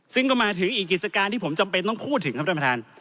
ซึ่งก็มาถึงอีกกิจการที่ผมจำเป็นต้องพูดถึงครับท่านประธาน